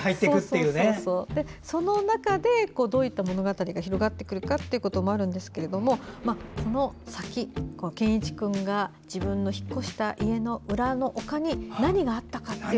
その中でどういった物語が広がってくるかということもあるんですけどこの先、ケンイチ君が自分の引っ越した家の裏の丘に何があったか。